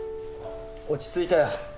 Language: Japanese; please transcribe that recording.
落ち着いたよ